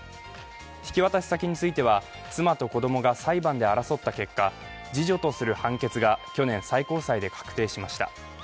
引き渡し先については、妻と子供が裁判で争った結果次女とする判決が去年、最高裁で確定しました。